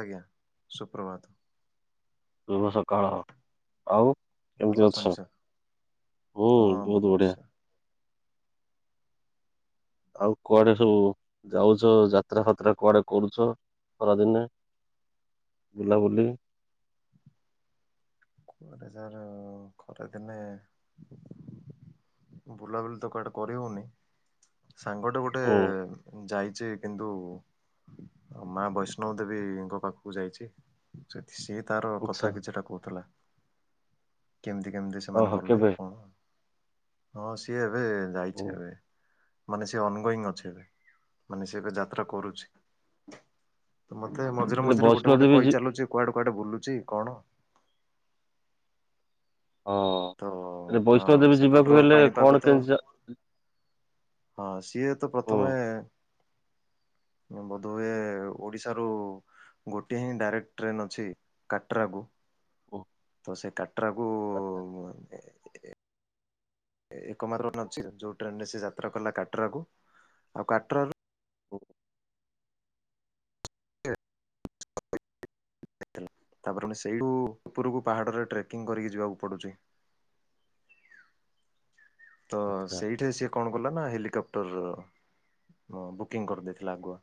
ଆଜ୍ଞା ସୁପ୍ରଭାତ। ଶୁଭ ସକାଳ। ଆଉ ଭଲ କେମତି ଅଛନ୍ତି ଅଛ? ସାର୍ ହୁ ହଁ ଭଲ ବହୁତ ଅଛି ବଢିଆ। ସାର୍ ଆଉ କୁଆଡେ ସବୁ ଯାଉଛ ଯାତ୍ରା ଫାତ୍ରା କୁଆଡେ କରୁଛ? ଖରାଦିନେ ବୁଲା ବୁଲି କୁଆଡେଜାର ଖରା ଦିନେ। ବୁଲାବୁଲି ତ କୁଆଡେ କରି ହଉନି ସାଙ୍ଗଟେ ହୁଁ ଗୋଟାଏ ଯାଇଛି କିନ୍ତୁ ମା ବୈଷ୍ଣବ ଦେବୀଙ୍କ ପାଖକୁ ଯାଇଛି। ଯଦି ସିଏ ତାର ଆଚ୍ଛା କଥା କିଛିଟା କହୁଥିଲା। କେମିତି କେମିତି ସେମାନେ ଓହୋ ଗଲେ କେବେ? କଣ ହଁ ସେବ ହୁଁ ଯଇଚିଏବେ। ମାନେ ସେ ଅନଗୋଇଂ ଅଛି ଏବେ ମାନେ ସେ ଏବେ ଯାତ୍ରା କରୁଛି। ମତେ ମଝିରେ ହେଲେ ମଝିରେ ଗୋଟାଏ ବୈଷ୍ଣୋ ଗୋଟାଏ ଦେବୀ ଯି- କହିଚଲୁଛି କୁଆଡେ କୁଆଡେ ବୁଲୁଛି କଣ। ତ ହଁ ହଁ ବୈଷ୍ଣୋ ଦେବୀ ଯିବାକୁ ସେପଟର ହେଲେ ପାଣିପାଗ କଣ ତ କେମତି ହଁ ସିଏ ତ ପ୍ରଥମେ ବୋଧିଏ ଓଡିଶାରୁ ଗୋଟିଏ ହିଁ ଡାଇରେକ୍ଟ ଟ୍ରେନ୍ ଅଛି କାଟ୍ରାକୁୁ। ଓ। ତ ସେ କାଟ୍ରାକୁ ଏକମାତ୍ର ଅଛି ଯୋଉ ଟ୍ରେନ ରେ ସେ ଯାତ୍ରା କଲା କାଟ୍ରଆକୁ ଆଉ କାଟ୍ରାରୁ ହ ହ [unintelligible] ଥିଲା, ତାପରେ ପୁଣି ସେଇଠୁ ଉପରକୁ ପାହାଡରେ ଟ୍ରେକିଂ କରିକି ଯିବାକୁ ପଡୁଚି। ତ ଆଚ୍ଛା ସେଇଠି ସିଏ କଣ୍ କଲା ନା ହେଲିକପ୍ଟର୍ ଅ ହ ବୁକିଂ କରିଦେଇଥିଲା ଆଗୁଆ,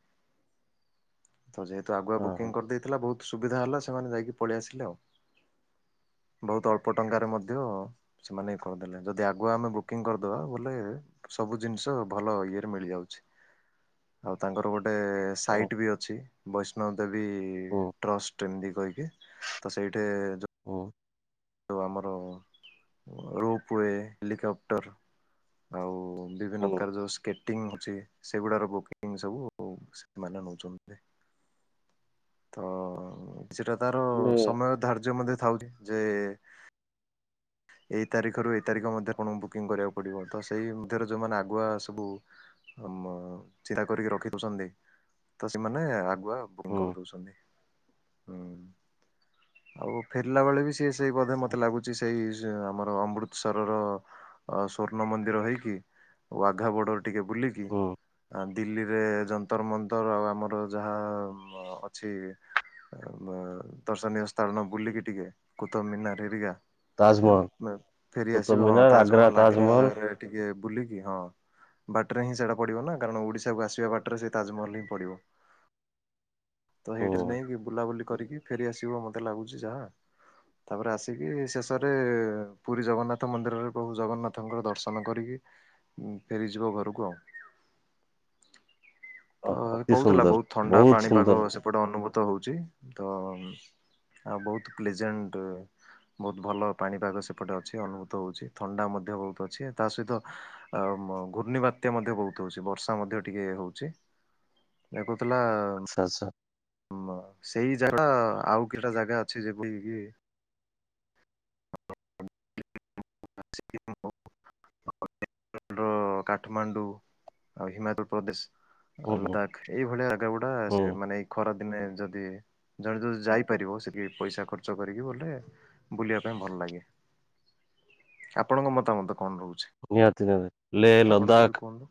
ତ ଯେହେତୁ ଆଗୁଆ ହଁ ବୁକିଂ କରିଦେଇଥିଲା ବହୁତ୍ ସୁବିଧା ହେଲା ସେମାନେ ଯାଇକି ପଳେଇ ଆସିଲେ ଆଉ, ବହୁତ ଅଳ୍ପ ଟଙ୍କାରେ ମଧ୍ୟ ସେମାନେ ଏ କରିଦେଲେ, ଯଦି ଆଗୁଆ ଆମେ ବୁକିଂ କରିଦେବା ବୋଲେ ସବୁ ଜିନିଷ ଭଲ ଇଏରେ ମିଳି ଯାଉଚି। ଆଉ ତାଙ୍କର ଗୋଟେ ହଁ ଓ ସାଇଟ୍ ବି ଅଛି ବୈଷ୍ଣବ ଦେବୀ ହୁଁ ଟ୍ରଷ୍ଟ ଏମିତି କହିକି, ତ ସେଇଠେ ଯ ଉ ଯଉ ଆମର ରୋପୱେ, ହେଲିକପ୍ଟର୍ ଆଉ ବିଭିନ୍ନ ହୁଁ ପ୍ରକାର ଯସ୍ ସ୍କେଟିଙ୍ଗ ଅଛି, ସେଗୁଡ଼ାର ବୁକିଂ ସବୁ ସେମାନେ ନଉଚନ୍ତି। ତ ସେଟା ତାର ହେଲେ ସମୟ ଧାର୍ଯ୍ୟ ମଧ୍ୟ ଥାଉଚି, ଯେ ଏଇ ତାରିଖରୁ ଏଇ ତାରିଖ ମଧ୍ୟ ଆପଣଙ୍କୁ ବୁକିଂ କରିବାକୁ ପଡ଼ିବ, ତ ସେଇ ମଧ୍ୟରେ ଯେଉଁମାନେ ଆଗୁଆ ସବୁ ଆମ ସିଧା କରିକି ରଖିଦଉଚନ୍ତି ତ ସେମାନେ ଆଗୁଆ ବୁକିଂ ହୁଁ କରିଦଉଚନ୍ତି, ହୁଁ। ଆଉ ଫେରିଲା ବେଳେ ବି ସିଏ ସେଇ ବୋଧେ ମତେ ଲାଗୁଚି ଏଇ ଆମର ଅମୃତସରର ସ୍ଵର୍ଣ୍ଣ ମନ୍ଦିର ହେଇକି, ୱଘା ବର୍ଡର୍ ଟିକେ ବୁଲିକି, ହୁଁ ଦିଲ୍ଲୀ ରେ ଯନ୍ତର ମନ୍ତର ଆଉ ଆମର ଯାହା ଅଛି ଦର୍ଶନୀୟ ସ୍ଥାନ ବୁଲିକି ଟିକିଏ, କୁତବ୍ ମୀନାର ହେରିକା ଏ ଫେ ତାଜମହଲ ଫେ ଫେରି କୁତୁବ ଆସିବୁ, ହଁ ମିନାର ଆଗ୍ରା ତାଜମହଲ ଆଗ୍ରାରେ ଟିକିଏ ବୁଲିକି, ହଁ। ବାଟରେ ହିଁ ସେଇଟା ପଡିବ ନା, କାରଣ ଓଡ଼ିଶାକୁ ଆସିବା ବାଟରେ ସେଇ ତାଜମହଲ ହିଁ ପଡିବ। ତ ହେଇଠିରେ ହୁଁ ନେଇକି, ବୁଲାବୁଲି କରିକି ଫେରି ଆସିବ ମତେ ଲାଗୁଚି ଯାହା, ତାପରେ ଆସିକି ସେ ପରେ ପୁରୀ ଜଗନ୍ନାଥ ମନ୍ଦିରରେ ପ୍ରଭୁ ଜଗନ୍ନାଥଙ୍କର ଦର୍ଶନ କରିକି ଫେରିଯିବ ଘରକୁ ଆଉ। ଓ, ତ ଅତି କହୁଥିଲା, ସୁନ୍ଦର ବହୁତ ଥଣ୍ଡା ପାଣିପାଗ ସୁନ୍ଦର ସେପ୍ ଏପଟେ ଅନୁଭୂତ ହଉଚି, ତ ଆଉ ବହୁତ ପ୍ଲେଜେଣ୍ଟ୍ ଭଲ ପାଣିପାଗ ସେପଟେ ଅଛି ଅନୁଭୂତ ହଉଚି, ଥଣ୍ଡା ମଧ୍ୟ ବହୁତ ଅଛି, ତା ସହିତ ଅ ଆ ଘୂର୍ଣ୍ଣ ବାତ୍ୟା ମଧ୍ୟ ବହୁତ ହଉଚି, ବର୍ଷା ମଧ୍ୟ ଟିକିଏ ହଉଚି। ଏହା କହୁଥିଲା ଆଛା ଆଛା। ହଁ, ସେଇ ଜାଗା ଟା ଆଉ କେଇଟା ଜାଗା ଅଛି ଯେଭଳି କି [unintelligible] [unintelligible] କାଠମାଣ୍ଡୁ ଆଉ ହିମାଚଳ ପ୍ରଦେଶ। ହୁଁ ହୁଁ ଲଦାଖ୍, ଏଇଭଳିଆ ଜାଗା ଗୁଡା ସେ ହୁଁ ମାନେ ଏଇ ଖରା ଦିନେ ଯଦି ଜଣେ ଯଦି ଯାଇପାରିବ, ସେଟି ଯାଇ ପଇସା ଖର୍ଚ୍ଚ କରିକି ବୋଲେ ବୁଲିବା ପାଇଁ ଭଲ ଲାଗେ, ଆପଣଙ୍କ ମତାମତ କଣ ରହୁଚି? ନିହାତି ନିହାତି ଲେହ, ଲଦାଖ କୁହନ୍ତୁ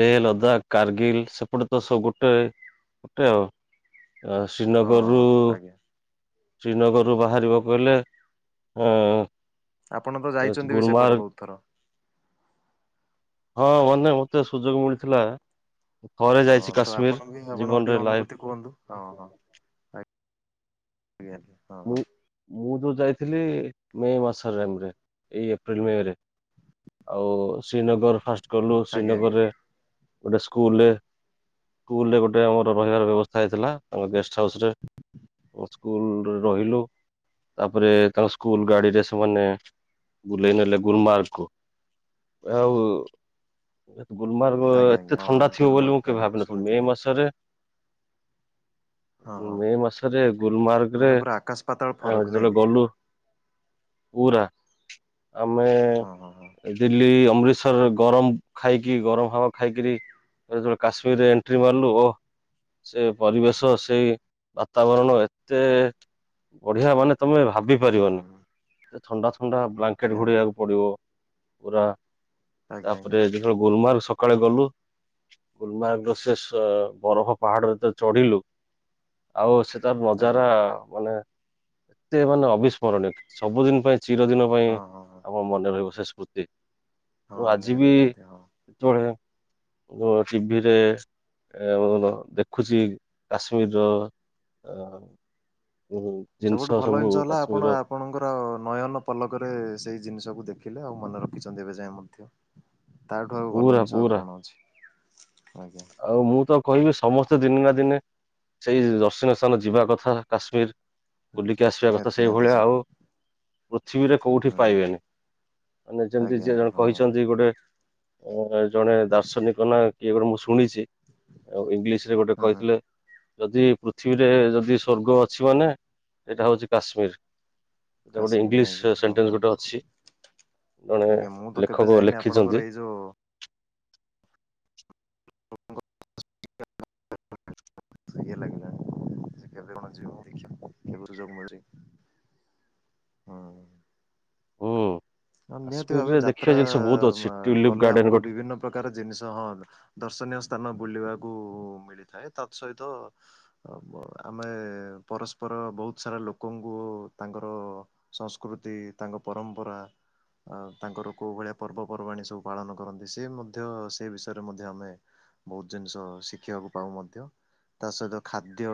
ଲେହ, ଲଦାଖ, କାର୍ଗିଲି, ସେପଟେ ତ ସବୁ ଗୋଟେ ପଟେ ଆଉ। ହଁ ଶ୍ରୀନଗରରୁ ଆଜ୍ଞା ଶ୍ରୀନଗରରୁ ବାହାରିବାକୁ ବୋଇଲେ, ଅଁ ଆପଣ ତ ଯାଇଚନ୍ତି ବି ସେପଟେ ବହୁତ୍ ଥର। ହଁ ମାନେ ମତେ ସୁଯୋଗ ମିଳିଥିଲା, ଥରେ ହଁ ଯାଇଚି ତ ଆପଣ କାଶ୍ମୀର୍, ବି ଆପଣଙ୍କ ଟିକେ ଜୀବନରେ ଲାଇଫ୍ ଅନୁଭୂତି କୁହନ୍ତୁ ହଁ -ହଁ ଆ- ଆଜ୍ଞା। ହଁ ମୁଁ ହଁ -ମୁଁ ଯୋଉ ଯାଇଥିଲି ମେ ମାସମରେ ଏଇ ଏପ୍ରିଲ୍ ମେରେ। ଆଉ ଶ୍ରୀନଗର ଫାଷ୍ଟ ଗଲୁ ଆଜ୍ଞା ଆଜ୍ଞା ଶ୍ରୀନଗରରେ ଗୋଟେ ସ୍କୁଲରେ। ସ୍କୁଲ୍ ରେ ଗୋଟେ ଆମର ରହିବାର ବ୍ୟବସ୍ଥା ହେଇଥିଲା। ଆମ ଗେଷ୍ଟ ହାଉସ୍ ରେ ସ୍କୁଲରେ ରହିଲୁ। ତାପରେ ତାଙ୍କ ସ୍କୁଲ୍ ଗାଡି ରେ ସେମାନେ ବୁଲେଇ ନେଲେ ଗୁରୁ ମା କୁ। ଆଉ-ଉ ଗୁଲମାର୍ଗ ଆଜ୍ଞା ଆଜ୍ଞା ଏତେ ହଁ ହଁ ଥଣ୍ଡା ଥିବ ବୋଲି ମୁଁ ଗୁଲମାର୍ଗ କେବେ ଆଜ୍ଞା ଭାବିନଥିଲି, ମେ ଶୁଣିଥିଲି ମାସରେ। ହଁ ହଁ ମେ ମାସରେ ଗୁଲମାର୍ଗ ରେ ମାନେ ପୁରା ଆକାଶ ପାତାଳ ଫରକ ନାଇଁ ଯେତେବେଳେ କି ଗଲୁ। ପୁରା ଆମେ। ହଁ -ହଁ। ଦିଲ୍ଲୀ ଅମୃତସର ଗରମ୍ ଖାଇକି ଗରମ ହବ ଖାଇକିରି। ଯେବେକାଶ୍ମୀରରେ ଏଣ୍ଟ୍ରି ମାରିଲୁ ଓ-ଓ। ସେ ପରିବେଶ ସେଇ ବାତାବରଣ ଏତେଏ ବଢିଆ ହବନା ତମେ ଭାବି ପାରିବନି, ହୁଁ ଥଣ୍ଡା ଥଣ୍ଡା ବ୍ଲାଙ୍କେଟେ ଆଜ୍ଞା ଆଜ୍ଞା ଘୋଡେଇବାକୁ ପଡିବ। ପୁରା ଆଜ୍ଞା ଆଜ୍ଞା ତାପରେ ଯେତଳେ ଗୋଲମାର୍ଗ ସକାଳେ ଗଲୁ। ଗୁଲମାର୍ଗ ରସେ ସ ବରଫ ପାହାଡରେ ଯେତେବେଳେ ଚଢିଲୁ ଆଉ ସ୍ ତାର ଆଜ୍ଞା ନଜାରା ମାନେ ଏତେ ମାନେ ଅବିସ୍ମରଣୀୟ ସବୁଦିନ ପାଇଁ ଚିରଦିନ। ପାଇଁ ହଁ ହଁ ହଁ ଆମ ମନେ ରହିବ ସେ ସ୍ମୃତି, ହଁ ମୁଁ ଆଜି ନିହାତି ବି ନିହାତି ହଁ। ଯେତେବେଳେ। ଯୋ ସିଭିରେ। ଏ ଉ ଦେଖୁଛି କାଶ୍ମୀରଅ। [unintelligible] ସବୁଠୁ ଭଲ ଜିନିଷ ହେଲା ଆପଣ କାଶ୍ମୀରର ଆପ୍ ଆପଣଙ୍କର ନୟନ ପଲକରେ ସେଇ ଜିନିଷକୁ ଦେଖିଲେ ଆଉ ମନେ ରଖିଛନ୍ତି ଏବେ ଯାଏ ମଧ୍ୟ। ତାଠୁ ଆଉ ଭଲ ପୁରା ଜିନିଷ ପୁରା କଣ ଅଛି, ଆଜ୍ଞା। ଆଉ ମୁଁ ତ କହିବି ସମସ୍ତେ ଦିନେ ନା ଦିନେ। ସେଇ ଦର୍ଶନୀୟ ସ୍ଥାନ ଯିବା କଥା କାଶ୍ମୀର୍। ବୁଲିକି ଆସିବାକଥା ନିହାତି ନିହାତି ସେଇଭଳିଆ ସାର୍ ଆଉ ପୃଥିବୀରେ କୋଉଠି ହୁଁ ପାଇବେନି। ମାନେ ଯେମିତି ଆଜ୍ଞା ଯିଏ ଆଜ୍ଞା ଜଣେ ହଁ କହିଛନ୍ତି ଗୋଟେ। ଅ ଜଣେ ଦାର୍ଶନିକ ନା କିଏ ଗୋଟେ ମୁଁ ଶୁଣିଛି। ଆଉ ଇଂଗ୍ଲିଶ୍ ରେ ଗୋଟେ ହୁଁ ହୁଁ। କହିଥିଲେ। ଯଦି ପୃଥିବୀରେ ଯଦି ସ୍ୱର୍ଗ ଅଛି ମାନେ ଏଇଟା ହଉଛି କାଶ୍ମୀର୍। ଗଟେ କାଶ୍ମୀର ଇଂଗ୍ଲିଶ୍ ନାଇଁକି ହଁ ସେଣ୍ଟେନ୍ସ ହଁ ଗୋଟେ ଅଛି। ଜଣେ ଆଜ୍ଞା ମୁଁ ତ କେବେ ଲେଖକ ଯାଇନି ଆପଣଙ୍କର ଲେଖିଚନ୍ତି। ଏଇ ଯୋଉ [inaudible] ଇଏ ଲାଗିଲାଣି ଯେ କେବେ କଣ ଯିବ ଦେଖିଆ କେବେ ସୁଜୋଗ ମିଳୁଚି। ହଁ- ହଁ। ହୁଁ। ହଁ ନିହାତି ଭାବେ କାଶ୍ମୀରରେ ଦେଖିବା ଯାତ୍ରା ଜିନିଷ ବହୁତ ଅଛି ମ ଟ୍ୟୁଲିପ କଲେ ଗାର୍ଡେନ ଆମକୁ ଗୋଟେ ବିଭିନ୍ନ। ପ୍ରକାର ଜିନିଷ ହଁ ଦର୍ଶନୀୟ ସ୍ଥାନ ବୁଲିବାକୁ ମିଳିଥାଏ। ତତ୍ ସହିତ। ଆମେ ପରସ୍ପର ବହୁତ୍ ସାରା ଲୋକଙ୍କୁ ତାଙ୍କର। ସଂସ୍କୃତି ତାଙ୍କ ପରମ୍ପରା। ଆ ତାଙ୍କର କୋଉ ଭଳିଆ ପର୍ବପର୍ବାଣି ସବୁ ପାଳନ କରନ୍ତି, ସେ ମଧ୍ୟ ସେ ବିଷୟରେ ମଧ୍ୟ ଆମେ। ବହୁତ୍ ଜିନିଷ ଶିଖିବାକୁ ପାଉ ମଧ୍ୟ। ତା ସହିତ ଖାଦ୍ୟ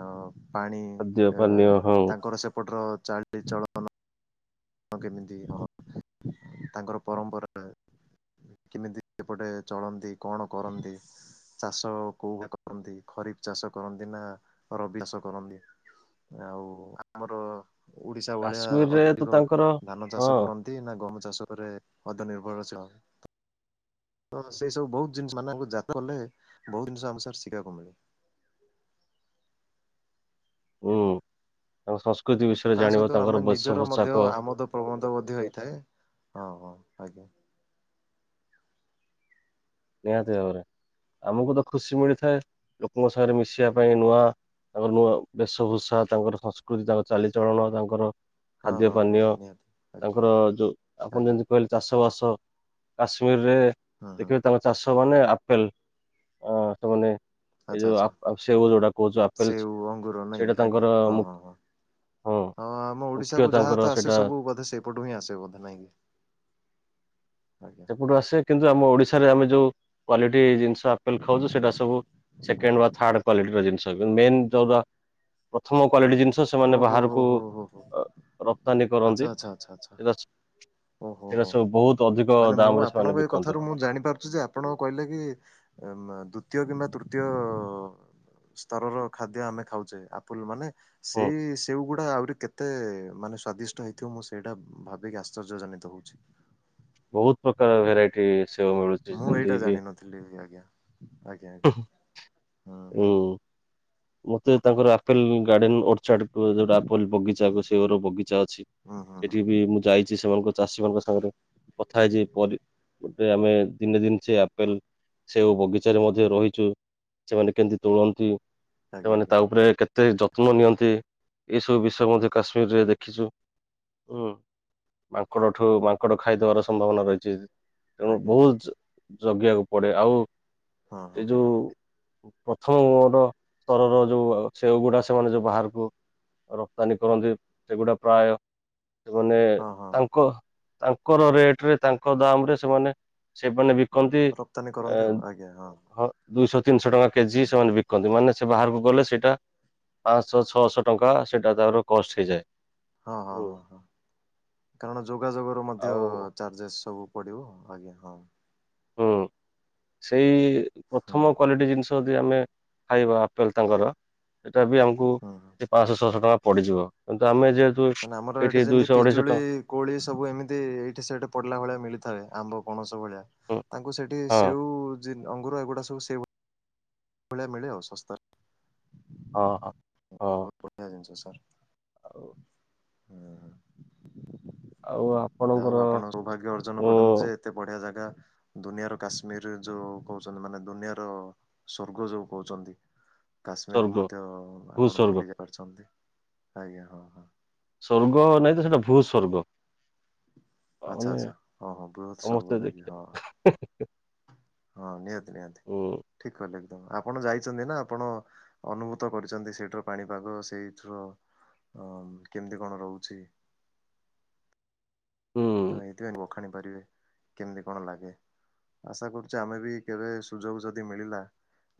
ଅ ପାଣି ଖାଦ୍ୟ ଅ ପାନୀୟ ହଁ। ତାଙ୍କର ସେପଟର ଚାଲିଚଳନ। ହଁ କେମିତି ହଁ ତାଙ୍କର ପରମ୍ପରା। କେମିତି ଏପଟେ ଚଳନ୍ତି କଣ କରନ୍ତି? ଚାଷ କୋଉ କରନ୍ତି। ଖରିଫ୍ ଚାଷ କରନ୍ତି ନା ରବି ଚାଷ କରନ୍ତି? ଆଉ ଆମର ଓଡିଶା ଭଳିଆ କାଶ୍ମୀରରେ ତ ଅଧିକ ତାଙ୍କର ଧାନ ହଁ ଚାଷ କରନ୍ତି ନା ଗହମ ଚାଷରେ ଅଧିକ୍ ନିର୍ଭରଶିଳ। ହଁ ସେ ସବୁ ବହୁତ ଜିନିଷ ମାନେ ଯା କଲେ ବହୁତ ଜିନିଷ ଆମକୁ ଶିଖିବାକୁ ମିଳେ। ହୁଁ ତାଙ୍କ ସଂସ୍କୃତି ବିଷୟରେ ତା ଜାଣିବ ସହିତ ଆମେ ତାଙ୍କର ଭେଶ ନିଜର ମଧ୍ୟ ପୋଷାକ। ଆମୋଦ ପ୍ରବନ୍ଧ ମଧ୍ୟ ହେଇଥାଏ ହଁ ହଁ ଆଜ୍ଞା। ନିହାତି ଭାବରେ ଆମକୁ ତ ଖୁସି ମିଳିଥାଏ ଲୋକଙ୍କ ସାଙ୍ଗରେ ମିଶିବା ପାଇଁ ନୂଆ। ତାଙ୍କର ନୂଆ ବେଶଭୂଷା ତାଙ୍କର ସଂସ୍କୃତି ତାଙ୍କର ଚାଲିଚଳନ ତାଙ୍କର। ହଁ ଖାଦ୍ୟ ହଁ ହଁ ପାନୀୟ ନିହାତି ଆଜ୍ଞା ତାଙ୍କର ଯୋଉ ଆପଣ ଆଜ୍ଞା ଯେମିତି କହିଲେ? ଚାଷବାସ କାଶ୍ମୀରରେ ହୁଁ ହୁଁ ଦେଖିବେ। ତାଙ୍କ ଚାଷ ମାନେ ଆପେଲ୍ ହଁ ସେମାନେ। ଏଇ ଆଚ୍ଛା ଯୋଉ ଆଚ୍ଛା ଆ ସେଓ ଯୋଉଟା କହୁଚ ଆପେଲ୍ ସେଉ ଅଙ୍ଗୁର ନାଇଁ କି ସେଇଟା ଆଜ୍ଞା ତାଙ୍କର ହଁ ମୁ ହଁ ହଁ ହଁ ଆମ ଓଡିଶା ମୁଖ୍ୟ କୁ ଯାହା ତାଙ୍କର ତ ଆସେ ସେଇଟା ସବୁ ବୋଧେ ସେ। ପଟୁ ହିଁ ଆସେ ବୋଧେ ନାଇଁକି ଆଜ୍ଞା। ସେପୁଟୁ ଆସେ କିନ୍ତୁ ଆମ ଓଡିଶାରେ ଆମେ ଯୋଉ କ୍ୱାଲିଟୀ ଜି ଆପେଲ୍ ଖାଉଛୁ ସେଟା ସବୁ ସେକେଣ୍ଡ ବା ଥାର୍ଡ କ୍ଵାଲିଟିର ଜିନିଷ କି ମେନ୍ ଯୋଉଟା ପ୍ରଥମ କ୍ଵାଲିଟି ଜିନିଷ ସେମାନେ ଓହୋ ହୋ ବାହାରୁକୁ ହୋ ହୋ ରପ୍ତାନୀ କରନ୍ତି। ଆଛା। ଏଇଟା ସବୁ ବହୁତ୍ ଅଧିକ। ମାନେ ଦାମ ମୁଁ ରେ ସେମାନେ ଆପଣଙ୍କୁ ଏ ବିକନ୍ତି। କଥାରୁ ମୁଁ ମୁଁ ଜାଣି ପାରୁଛି ଯେ ଆପଣ କହିଲେ କି ଦ୍ଵିତୀୟ କିମ୍ବା ତୃତୀୟ ସ୍ତରର ଖାଦ୍ୟ ଆମେ ଖାଉଛେ ଆପୁଲ୍ ମାନେ ହୁଁ ସେଇ ସେଉ ଗୁଡା ଆହୁରି କେ ତେ ମାନେ ସ୍ଵାଦିଷ୍ଟ ହେଇଥିବ ମୁଁ ସେଇଟା ଭାବିକି ଆଶ୍ଚର୍ଯ୍ୟ ଜନିତ ହଉଛି। ବହୁତ୍ ପ୍ରକାର ଭେରାଇଟି ସେଉ ମିଳୁଛି। ମୁଁ ଯେମିତି ଏଇଟା କିି ଜାଣିନଥିଲି ଆଜ୍ଞା ଆଜ୍ଞା ଆଜ୍ଞା ହୁଁ ଉଁ ହୁଁ। ମତେ ତାଙ୍କର ଆପେଲ ଗାର୍ଡେନ ଓର୍। ଛଡ ଯୋଉଟା ଆପଲ ବଗିଚା ସେଓର ବଗିଚା ଅଛି ହୁଁ ହୁଁ ସେଠି ହୁଁ ବି ମୁଁ ଯାଇଛି ସେମାନଙ୍କ ଚାଷୀ ମାନଙ୍କ ସାଙ୍ଗରେ କଥା ହେଇଛି ପରି ଆମେ ଦିନେ ଦିନ ସେ ଆପେଲ୍ ସେଓ ବଗିଚାରେ ମଧ୍ୟ ରହିଛୁ ସେମାନେ କେମିତି ତୋଳନ୍ତି। ଆଜ୍ଞା ସେମାନେ ଆଜ୍ଞା। ତା ଉପରେ କେତେ ଯତ୍ନ ନିଅନ୍ତି ଏଇସବୁ ବିଷୟ ମଧ୍ୟ କାଶ୍ମୀରରେ ଦେଖିଛୁ। ହୁଁ ମାଙ୍କଡଠୁ ମାଙ୍କଡ ଖାଇଦବାର ସମ୍ଭାବନା ରହିଛି। ତେଣୁ ଆଜ୍ଞା ଆଜ୍ଞା ବହୁତ୍ ଜଗିବାକୁ ପଡେ। ଆଉ ହଁ ହଁ ଏ ଯୋଉ ପ୍ରଥମ ମର ସ୍ତରର ଯୋଉ ସେଓଗୁଡା ସେମାନେ ଯୋଉ ବାହାରକୁ ରପ୍ତାନୀ କରନ୍ତି ସେଗୁଡା ପ୍ରାୟ। ସେମାନେ ହଁ ହଁ ହଁ ତାଙ୍କ ତାଙ୍କର ରେଟ୍ ରେ ତାଙ୍କ ଦାମ୍ ରେ ସେମାନେ ସେମାନେ ବିକନ୍ତି ରପ୍ତାନୀ ଏ କରନ୍ତି ଆଉ ଆଜ୍ଞା ହଁ। ଦୁଇଶହ ତିନିଶହ ଟଙ୍କା କେଜି ହଁ ହଁ। ସେମାନେ ବିକନ୍ତି ମାନେ ସେ ବାହାରକୁ ଗଲେ ସେଇଟା ପାଆଁଶହ ଛଅଶହ ଟଙ୍କା ସେଇଟା ତାର କଷ୍ଟ୍ ହେଇଯାଏ। ହଁ, ହଁ, ହୁଁ, ହଁ, ହଁ କାରଣ ଯୋଗାଯୋଗର ମଧ୍ୟ। ଆଉ ଚାର୍ଜେସ୍ ସବୁ ପଡ଼ିବ ଆଜ୍ଞା ହଁ। ହୁଁ, ସେଇ ହୁଁ ପ୍ରଥମ କ୍ଵାଲିଟି ଜିନିଷ। ଯଦି ଆମେ ଖାଇବା ଆପେଲ୍, ତାଙ୍କର ସେଇଟା ବି ଆମକୁ ହୁଁ। କେ ପାଅଁଶଛଅଶହ ଟଙ୍କା ପଡିଯିବ କିନ୍ତୁ ଆମେ ଯେହେ ମାନେ ଆମର ଏଇଠି ଯେମିତି ପିଜୁଳି କୋଳି ସବୁ ଏମିତି ଏଇଠି ସେଇଠି ପଡିଲା ଭଳିଆ ମିଳିଥାଏ ଆମ୍ବ, ପଣସ ଭଳିଆ। ତାଙ୍କୁ ସେଇଠି ହଁ ସେଉ ଜିନ୍ ଅଙ୍ଗୁର ଏଗୁଡା ସବୁ ସେଉ ଭଳିଆ ମିଳେ ଆଉ ଶସ୍ତା ରେ। ହଁ ହଁ। ହଁ ବହୁତ ବଢ଼ିଆ ଜିନିଷ ସାର୍। ଆଉ ହୁ ହୁ ଆଉ ଯାହା ଆପଣଙ୍କର ହଉ ଆପଣ ସୌଭାଗ୍ୟ ଅର୍ଜନ ଉ କରନ୍ତି ଯେ ଏତେ ବଢିଆ ଜାଗା ଦୁନିଆର କାଶ୍ମୀର ଯୋଉ କହୁଛନ୍ତି, ମାନେ ଦୁନିଆର ସ୍ଵର୍ଗ ଯୋଉ କହୁଛନ୍ତି, କାଶ୍ମୀର କୁ ସ୍ଵର୍ଗ ମଧ୍ୟ ଭୂ ଆପଣ ସ୍ଵର୍ଗ ବୁଲି ଯାଇ କରିଛନ୍ତି ଆଜ୍ଞା ହଁ ହଁ। ସ୍ଵର୍ଗ ନାଇଁ ତେ ସେଇଟା ଭୂସ୍ଵର୍ଗ। ଆଚ୍ଛା ଆଚ୍ଛା ହଁ ହଁ ବୃହତ୍ ସମସ୍ତେ ସ୍ବର୍ଗ ନାହିଁ କି? ଦେଖିବା ହଁ ହଁ ନିହାତି ନିହାତି ହୁଁ ଠିକ୍ କହିଲେ ଏକଦମ୍ ଆପଣ ଯାଇଛନ୍ତି ନା ଆପଣ ଅନୁଭୂତ କରିଛନ୍ତି, ସେଇଠର ପାଣିପାଗ ସେଇଠର ଅ କେମିତି କଣ ରହୁଛି। ହୁଁ ତ ଏଇଥିପାଇଁ ବଖାଣି ପାରିବେ କେମିତି କଣ ଲାଗେ? ଆଶା କରୁଛି, ଆମେ ବି କେବେ ସୁଯୋଗ ଯଦି ମିଳିଲା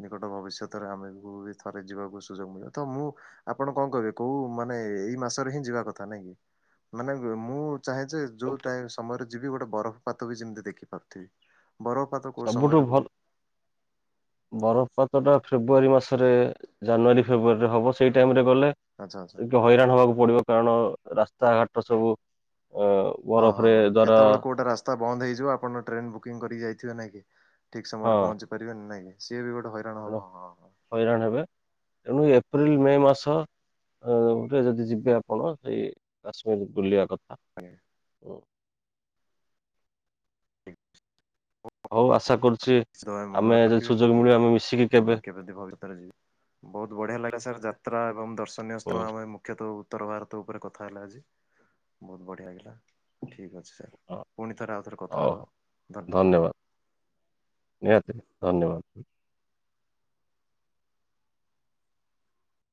ନିକଟ ଭବିଷ୍ୟତରେ, ଆମେବୁ ବି ଥରେ ଯିବାକୁ ସୁଯୋଗ ମିଳିବ, ତ ମୁଁ ଆପଣ କଣ କହିବେ କୋଉ ମାନେ ଏଇ ମାସରେ ହିଁ ଯିବା କଥା ନାଇଁ କି? ମାନେ ବେ ମୁଁ ଚାହେଁ ଯେ ଯୋଉ ଟାଇ ସମୟରେ ଯିବି ଗୋଟେ ବରଫ ପାତ ବି ଯେମିତି ଦେଖି ପାରୁଥିବି, ବରଫ ସବୁଠୁ ଭଲ ବରଫପାତଟା ଫେବୃୟାରୀ ମାସରେ ଜାନୁଆରୀ ଫେବୃୟାରୀ ହବ, ସେଇ ଟାଇମ୍ ରେ ଗଲେ ଆଚ୍ଛା ଆଚ୍ଛା। ଟିକେ ହଇରାଣ ହବାକୁ ପଡିବ, କାରଣ ରାସ୍ତାଘାଟର ସବୁ ଅ ହଁ ହଁ ବରଫରେ ହଁ ଦ୍ଵାରା କେତେବେଳେ କୋଉଟା ରାସ୍ତା ତ ବନ୍ଦ ହେଇଯିବ ଆପଣ ଟ୍ରେନ ବୁକିଂ କରିଯାଇଥିବେ, ନାଇକି ଠିକ୍ ସମୟ ରେ ପହଞ୍ଚି ପାରିବେ ନାଇକି ସିଏ ବି ଗୋଟେ ହଇରାଣ ହବ ହ୍ଯାଲୋ ହଁ ହଁ ହଇରାଣ ହେବେ, ତେଣୁ ଏପ୍ରିଲ ହୁଁ। ମେ ମାସ ଅଁ ରେ ଯଦି ଯିବେ ଆପଣ ସେଇ କାଶ୍ମୀର ବୁଲିବା କଥା। ହଉ ଆଶା କରୁଛି, ଆମେ ଯଦି ସୁଯୋଗ ମିଳିବ ଆମେ ବି ପ୍ରଭୁ [unintelligible] ରଖିବେ ଯଦିି ଭବିଷ୍ୟତ ରେ ଯିବି। ବହୁତ ବଢିଆ ଲାଗିଲା ସାର୍, ଯାତ୍ରା ଏବଂ ଦର୍ଶନୀୟ ହୁଁ। ସ୍ଥାନ ପାଇଁ ମୁଖ୍ୟତଃ ଉ ଉତ୍ତର ଭାରତ ଉପରେ କଥା ହେଲା ଆଜି, ବହୁତ ବଢିଆ ଲାଗିଲା ଠିକ୍ ଅଛି। ସାର୍, ହଁ, ପୁଣିି ଥରେ ଆଉ ଥରେ କ ହଉ ଧନ୍ୟବାଦ, ନିହାତି ଧନ୍ୟବାଦ!